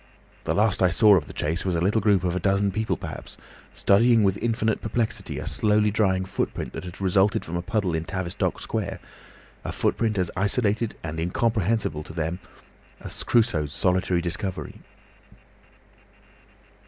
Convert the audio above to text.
The last I saw of the chase was a little group of a dozen people perhaps, studying with infinite perplexity a slowly drying footprint that had resulted from a puddle in Tavistock Square, a footprint as isolated and incomprehensible to them as Crusoe's solitary discovery.